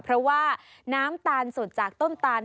เพราะว่าน้ำตาลสดจากต้นตาล